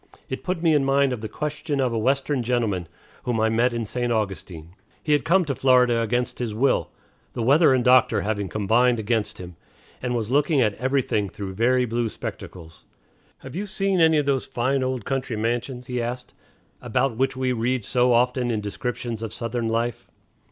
It put me in mind of the question of a Western gentleman whom I met at St. Augustine. He had come to Florida against his will, the weather and the doctor having combined against him, and was looking at everything through very blue spectacles. "Have you seen any of those fine old country mansions," he asked, "about which we read so often in descriptions of Southern, life?"